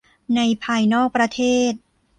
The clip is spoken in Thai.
ในภายนอกประเทศ